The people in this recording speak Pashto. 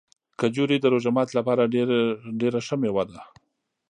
کجورې د روژه ماتي لپاره ډېره ښه مېوه ده.